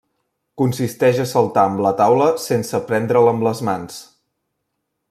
Consisteix a saltar amb la taula sense prendre-la amb les mans.